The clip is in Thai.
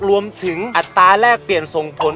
รวมถึงอัตราแรกเปลี่ยนส่งผล